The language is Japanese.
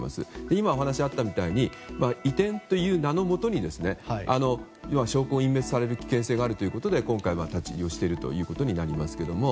今、お話があったみたいに移転という名のもとに証拠隠滅をされる危険性があるということで今回は立ち入りをしていることになりますけれども。